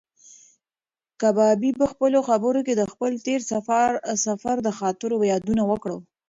کبابي په خپلو خبرو کې د خپل تېر سفر د خاطرو یادونه وکړه.